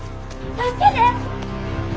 助けて！